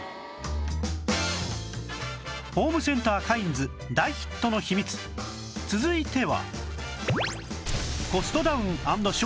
ホームセンターカインズ大ヒットの秘密続いては